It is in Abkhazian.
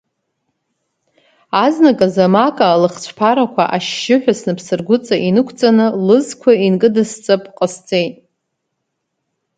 Азныказы Мака лыхцәԥарақәа ашьшьыҳәа снапсыргәыҵа инықәҵаны, лызқәа инкы-дысҵап ҟасҵеит.